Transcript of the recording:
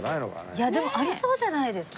いやでもありそうじゃないですか？